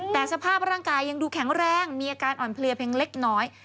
แต่สภาพร่างกายยังดูแข็งแรงมีอาการอ่อนเพลียเพียงเล็กน้อย